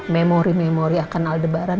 memori memori akan aldebaran